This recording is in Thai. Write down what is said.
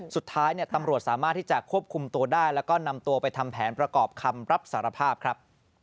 สุดท้ายตำรวจสามารถที่จะควบคุมตัวได้แล้วก็นำตัวไปทำแผนประกอบคำรับสารภาพครับ